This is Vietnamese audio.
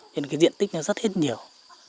nên cái diện tích nó rất thiết nhiều